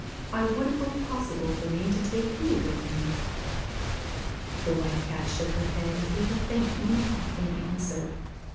I would it were possible for me to take you with me.' The White Cat shook her head and gave a faint mee aw in answer.